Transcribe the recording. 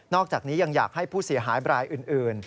อกจากนี้ยังอยากให้ผู้เสียหายบรายอื่น